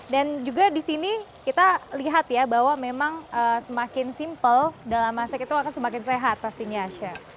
juga di sini kita lihat ya bahwa memang semakin simpel dalam aset itu akan semakin sehat pastinya chef